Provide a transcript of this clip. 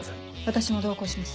私も同行します。